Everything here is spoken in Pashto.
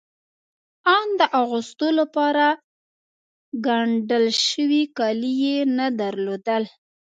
آن د اغوستو لپاره ګنډل شوي کالي يې نه درلودل.